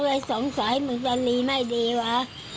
เราเลยสงสัยมึงจะนีไม่ดีวะ